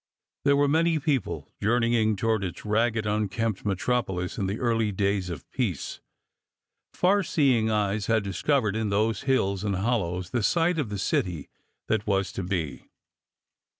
There were many people journeying toward its ragged, unkempt metropolis in the early days of peace. Far seeing eyes had discovered in those hills and hollows the site of the city that was to be.